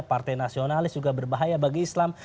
partai nasionalis juga berbahaya bagi islam